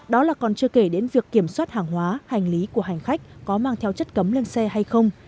đó là còn chưa kể đến việc kiểm soát hàng hóa hành lý của hành khách có mang theo chất cấm lên xe hay không